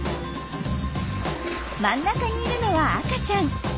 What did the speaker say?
真ん中にいるのは赤ちゃん。